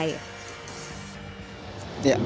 lebih kali ini pertarungan digelar di tanah air